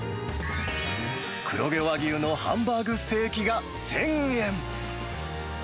黒毛和牛のハンバーグステーキが１０００円。